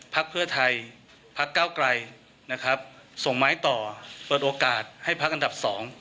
พักเพื่อไทยพักเก้าไกลนะครับส่งไม้ต่อเปิดโอกาสให้พักอันดับ๒